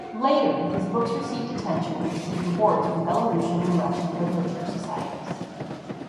Later his books received attention and received awards from Belarusian and Russian literature societies.